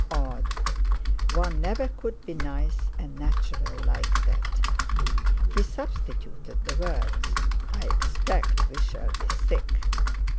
Odd—one never could be nice and natural like that! He substituted the words: "I expect we shall be sick."